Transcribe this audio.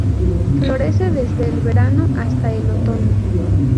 Florece desde el verano hasta el otoño.